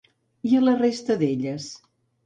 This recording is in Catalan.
I a la resta d'elles?